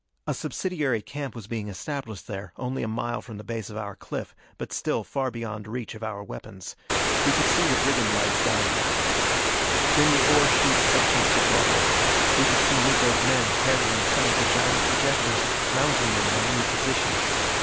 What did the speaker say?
A subsidiary camp was being established there, only a mile from the base of our cliff, but still far beyond reach of our weapons. We could see the brigand lights down there. Then the ore shute sections were brought over. We could see Miko's men carrying some of the giant projectors, mounting them in the new position.